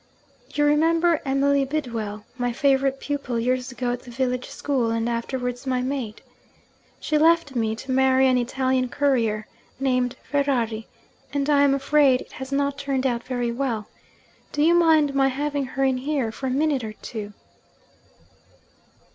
'You remember Emily Bidwell, my favourite pupil years ago at the village school, and afterwards my maid? She left me, to marry an Italian courier, named Ferrari and I am afraid it has not turned out very well. Do you mind my having her in here for a minute or two?'